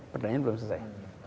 perdanya belum selesai